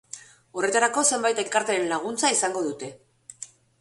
Horretarako, zenbait elkarteren laguntza izango dute.